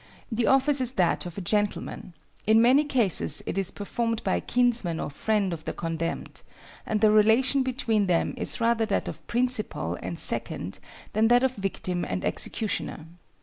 The office is that of a gentleman: in many cases it is performed by a kinsman or friend of the condemned, and the relation between them is rather that of principal and second than that of victim and executioner.